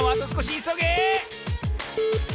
いそげ！